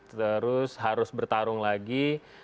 terus harus bertarung lagi